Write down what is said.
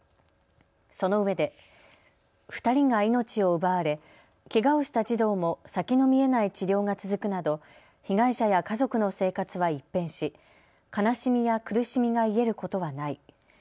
そのうえで２人が命を奪われけがをした児童も先の見えない治療が続くなど被害者や家族の生活は一変し悲しみや苦しみが癒えることはない。